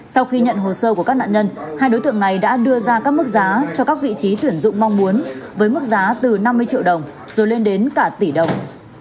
sau khi nhận hồ sơ của các nạn nhân hai đối tượng này đã đưa ra các mức giá cho các vị trí tuyển dụng mong muốn với mức giá từ năm mươi triệu đồng rồi lên đến cả tỷ đồng